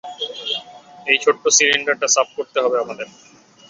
এই ছোট্ট সিলিন্ডারটা সাফ করতে হবে আমাদের।